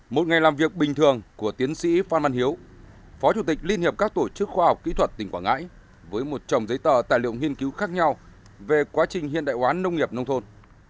một ngày làm việc bình thường của tiến sĩ phan văn hiếu phó chủ tịch liên hiệp các tổ chức khoa học kỹ thuật tỉnh quảng ngãi với một trồng giấy tờ tài liệu nghiên cứu khác nhau về quá trình hiện đại hóa nông nghiệp nông thôn